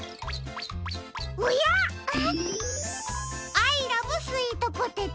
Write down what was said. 「アイ♥スイートポテト」。